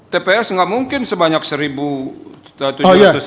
tps gak mungkin sebanyak seribu tujuh ratus sebelas